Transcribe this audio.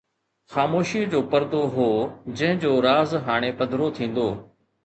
خاموشيءَ جو پردو هو، جنهن جو راز هاڻي پڌرو ٿيندو